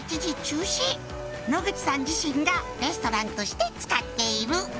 「野口さん自身がレストランとして使っている」